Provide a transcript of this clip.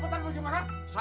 udah cepetan berjumlah